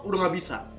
udah nggak bisa